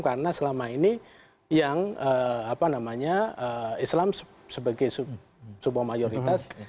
karena selama ini yang islam sebagai sebuah mayoritas